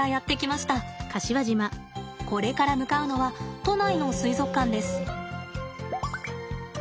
これから向かうのは都内の水族館です。